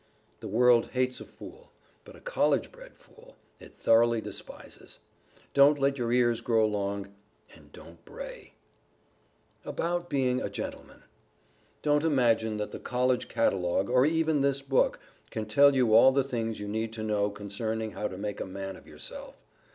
The World hates a fool; but a College bred fool, it thoroughly despises. Don't let your ears grow long, and don't bray. [Sidenote: ABOUT BEING A GENTLEMAN] Don't imagine that the College Catalogue, or even this book, can tell you all the things you need to know concerning how to make a man of yourself.